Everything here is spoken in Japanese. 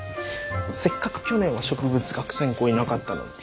せっかく去年は植物学専攻いなかったのに。